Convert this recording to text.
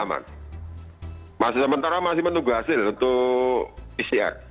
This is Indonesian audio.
aman masih sementara masih menunggu hasil untuk isiak